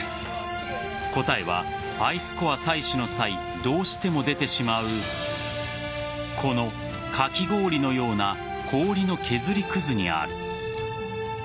答えはアイスコア採取の際どうしても出てしまうこのかき氷のような氷の削りくずにある。